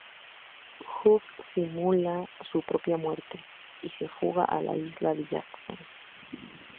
Huck simula su propia muerte y se fuga a la isla de Jackson.